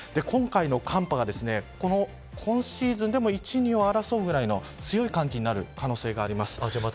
今回の寒波が今シーズンでも１、２を争うぐらいの強い寒気になる可能性があります。